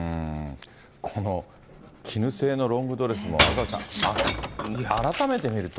この絹製のロングドレスも、赤星さん、改めて見ると。